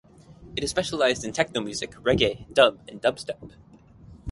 It is specialized in techno music, reggae, dub and dubstep.